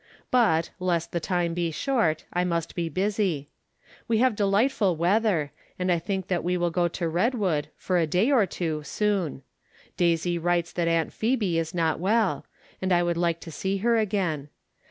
But, lest the time be short, I must be busy. We have delightful weather, and I think that we will go to Redwood, for a day or two, soon. Daisy writes that Aunt Phebe is not well, and I would like to see her again.